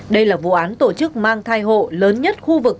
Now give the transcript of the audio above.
đây là vụ án tổ chức mang thai hộ lớn nhất khu vực